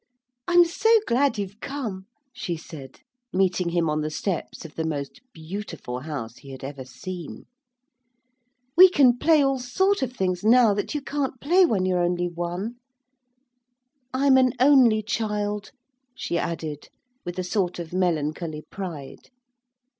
'I'm so glad you've come,' she said, meeting him on the steps of the most beautiful house he had ever seen; 'we can play all sort of things now that you can't play when you're only one. I'm an only child,' she added, with a sort of melancholy pride.